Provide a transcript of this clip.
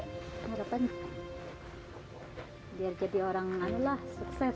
harapannya biar jadi orang lain lah sukses